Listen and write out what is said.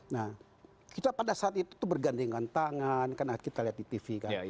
nah kita pada saat itu bergandengan tangan karena kita lihat di tv kan